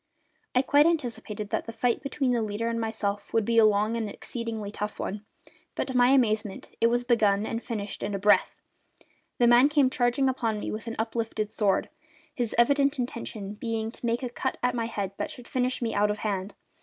I quite anticipated that the fight between the leader and myself would be a long and exceedingly tough one; but, to my amazement, it was begun and finished in a breath. The man came charging upon me with uplifted sword, his evident intention being to make a cut at my head that should finish me out of hand.